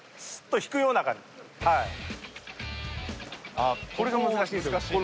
ああこれが難しいんですね。